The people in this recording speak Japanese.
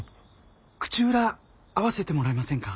口裏合わせてもらえませんか？